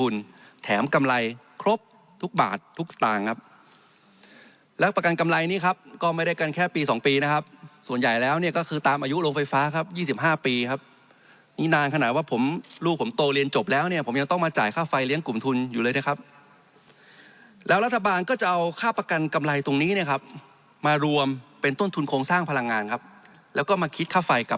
แล้วประกันกำไรนี้ครับก็ไม่ได้กันแค่ปีสองปีนะครับส่วนใหญ่แล้วเนี่ยก็คือตามอายุโรงไฟฟ้าครับ๒๕ปีครับนี่นานขนาดว่าผมลูกผมโตเรียนจบแล้วเนี่ยผมยังต้องมาจ่ายค่าไฟเลี้ยงกลุ่มทุนอยู่เลยนะครับแล้วรัฐบาลก็จะเอาค่าประกันกำไรตรงนี้เนี่ยครับมารวมเป็นต้นทุนโครงสร้างพลังงานครับแล้วก็มาคิดค่าไฟกับ